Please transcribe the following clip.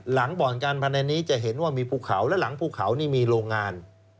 บ่อนการพนันนี้จะเห็นว่ามีภูเขาและหลังภูเขานี่มีโรงงาน